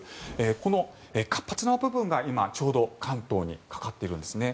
この活発な部分が、今ちょうど関東にかかっているんですね。